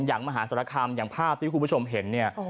อย่างมหาสรรคำอย่างภาพที่คุณผู้ชมเห็นเนี่ย